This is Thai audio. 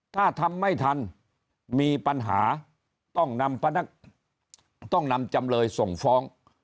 ถ้าทำไม่ทันมีปัญหาต้องนำพนักต้องนำจำเลยส่งฟ้อง